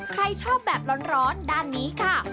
ใครชอบแบบร้อนด้านนี้ค่ะ